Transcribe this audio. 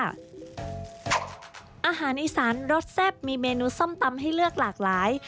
อาหารอีสานรสแซ่บมีเมนูส้มตำให้เลือกหลากหลาย